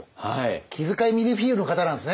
気遣い見るフィーユの方なんですね